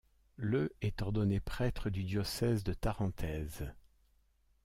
Le est ordonné prêtre du diocèse de Tarentaise.